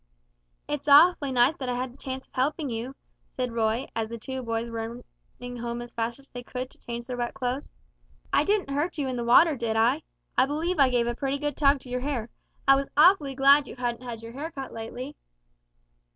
"It's awfully nice that I had the chance of helping you," said Roy, as the two boys were running home as fast as they could to change their wet clothes; "I didn't hurt you in the water, did I? I believe I gave a pretty good tug to your hair, I was awfully glad you hadn't had your hair cut lately."